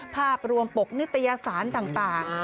ภาพรวมปกนิตยสารต่าง